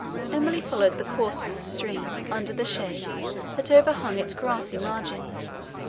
Emily followed the course of the stream, under the shades, that overhung its grassy margin.